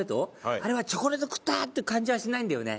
あれはチョコレート食った！って感じはしないんだよね。